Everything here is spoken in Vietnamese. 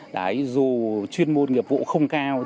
dù chuyên môn nghiệp vụ không cao